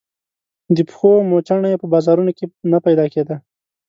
د پښو موچڼه يې په بازارونو کې نه پيدا کېده.